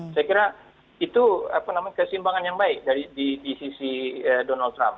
saya kira itu kesimbangan yang baik di sisi donald trump